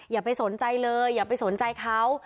อย่าไปสนใจเลยอย่าไปสนใจเขา